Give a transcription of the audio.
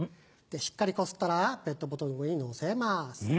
しっかりこすったらペットボトルの上にのせます。